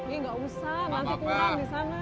ini gak usah nanti kurang disana